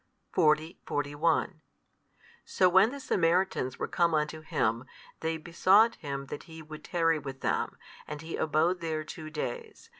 40, 41 So when the Samaritans were come unto Him, they besought Him that He would tarry with them: and He abode there two days.